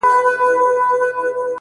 تك سپين زړگي ته دي پوښ تور جوړ كړی؛